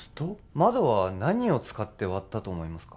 窓は何を使って割ったと思いますか？